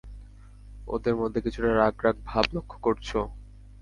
ওদের মধ্যে কিছুটা রাগ-রাগ ভাব লক্ষ্য করছো?